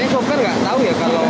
tapi sopir nggak tahu ya